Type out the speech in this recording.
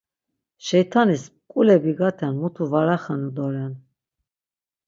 Şeyt̆anis mǩule bigaten mutu var axenu doren.